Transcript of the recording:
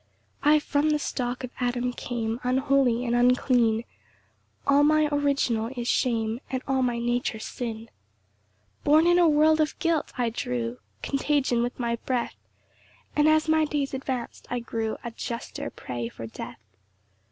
3 I from the stock of Adam came, Unholy and unclean; All my original is shame, And all my nature sin. 4 Born in a world of guilt, I drew Contagion with my breath; And, as my days advanc'd, I grew A juster prey for death.